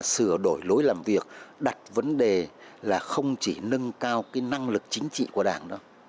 sửa đổi lối làm việc đặt vấn đề là không chỉ nâng cao năng lực chính trị của đảng đó